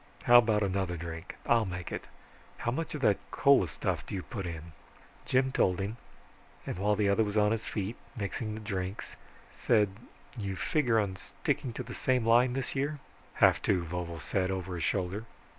How about another drink? I'll make it. How much of that cola stuff do you put in?" Jim told him, and while the other was on his feet mixing the drinks, said, "You figure on sticking to the same line this year?" "Have to," Vovo said over his shoulder.